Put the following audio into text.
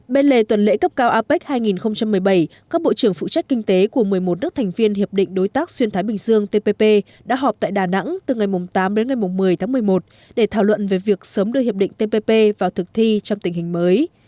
bên lề tuần lễ cấp cao apec hai nghìn một mươi bảy các bộ trưởng phụ trách kinh tế của một mươi một nước thành viên hiệp định đối tác xuyên thái bình dương tpp đã họp tại đà nẵng từ ngày tám đến ngày một mươi tháng một mươi một để thảo luận về việc sớm đưa hiệp định tpp vào thực thi trong tình hình mới